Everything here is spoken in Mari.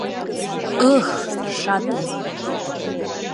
Ых, шатын!